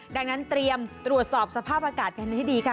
ดังนั้นเตรียมตรวจสอบสภาพอากาศกันให้ดีค่ะ